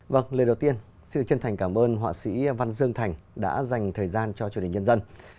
lần đầu tiên xin chân thành cảm ơn họa sĩ văn dương thành đã dành thời gian cho chương trình nhân dân